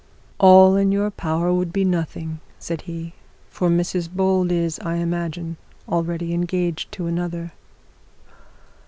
'All in your power would be nothing,' said he; 'for Mrs Bold is, I imagine, already engaged to another.'